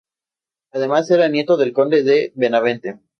Además era nieto del conde de Benavente.